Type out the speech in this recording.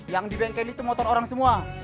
yang di bengkel itu motor orang semua